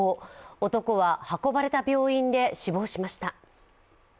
男は運ばれた病院で死亡しました。